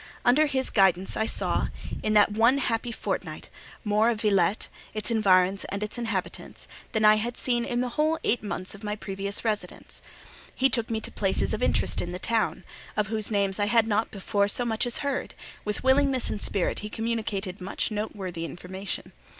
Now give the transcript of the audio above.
Under his guidance I saw, in that one happy fortnight, more of Villette, its environs, and its inhabitants, than I had seen in the whole eight months of my previous residence. He took me to places of interest in the town, of whose names I had not before so much as heard; with willingness and spirit he communicates much noteworthy information.